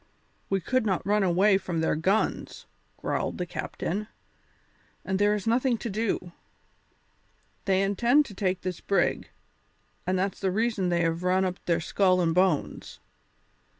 "We could not run away from their guns," growled the captain, "and there is nothing to do. They intend to take this brig, and that's the reason they have run up their skull and bones.